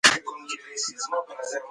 نه منزل او نه رباط ته رسیدلی